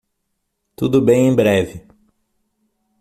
Tudo bem em breve.